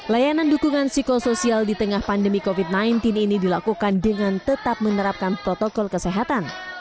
layanan dukungan psikosoial di tengah pandemi covid sembilan belas ini dilakukan dengan tetap menerapkan protokol kesehatan